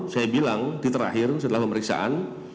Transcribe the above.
saya bilang di terakhir setelah pemeriksaan